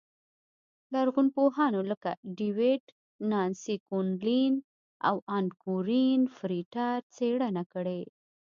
لرغونپوهانو لکه ډېوېډ، نانسي ګونلین او ان کورېن فرېټر څېړنه کړې